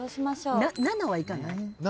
７はいかない？